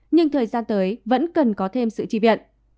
nhưng thời gian tới vẫn cần có thêm sự tri viện